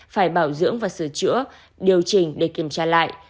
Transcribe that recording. phải bảo dưỡng và sửa chữa điều chỉnh để kiểm tra lại